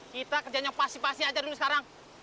kita kerjaan yang pasti pasti aja dulu sekarang